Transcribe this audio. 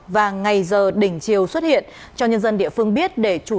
và ngày giờ đỉnh chiều xuất hiện cho nhân dân địa phương biết